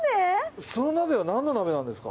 その鍋は何の鍋なんですか？